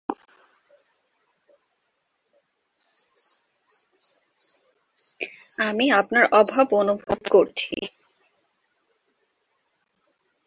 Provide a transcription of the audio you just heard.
আমি আপনার অভাব অনুভব করছি।